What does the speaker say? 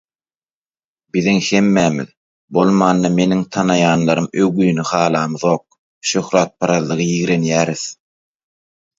Biziň hemmämiz, bolmanda meniň tanaýanlarym öwgüni halamyzok, şöhratparazlygy ýigrenýäris.